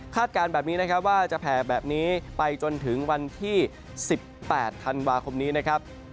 การแบบนี้นะครับว่าจะแผ่แบบนี้ไปจนถึงวันที่๑๘ธันวาคมนี้นะครับ